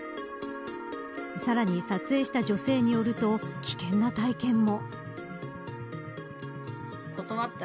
さらに撮影した女性によると危険な体験も。